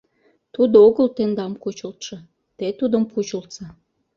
Тудо огыл тендам кучылтшо, те тудым кучылтса.